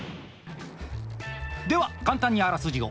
では簡単にあらすじを。